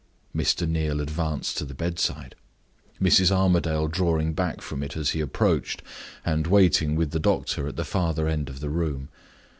Mr. Neal advanced to the bedside, Mrs. Armadale drawing back from it as he approached, and waiting with the doctor at the further end of the room.